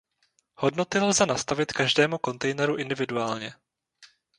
Hodnoty lze nastavit každému kontejneru individuálně.